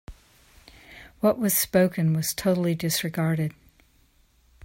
What was spoken was totally disregarded.